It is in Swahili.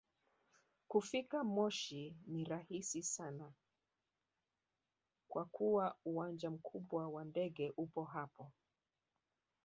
Kufika moshi ni rahisi sana kwa kuwa uwanja mkubwa wa ndege upo hapo